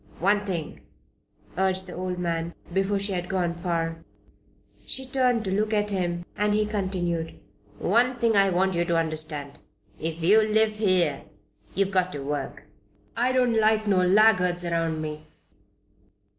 "One thing," urged the old man, before she had gone far. She turned to look at him and he continued: "One thing I want you to understand, if you live here you have got to work. I don't like no laggards around me."